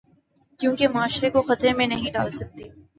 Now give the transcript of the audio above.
کیونکہ معاشرے کو خطرے میں نہیں ڈال سکتے۔